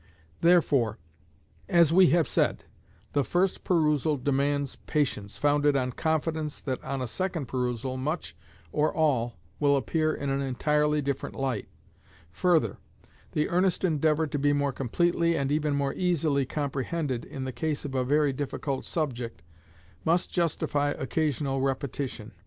Therefore, as we have said, the first perusal demands patience, founded on confidence that on a second perusal much, or all, will appear in an entirely different light. Further, the earnest endeavour to be more completely and even more easily comprehended in the case of a very difficult subject, must justify occasional repetition.